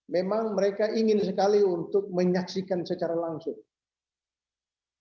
memang mereka ingin sekali untuk menyaksikan secara langsung